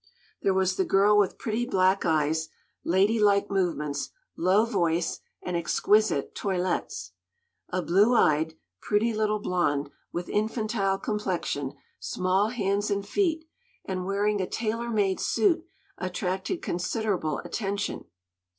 There was the girl with pretty black eyes, lady like movements, low voice, and exquisite toilettes. A blue eyed, pretty little blonde, with infantile complexion, small hands and feet, and wearing a tailor made suit attracted considerable attention.